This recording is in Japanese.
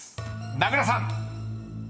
名倉さん］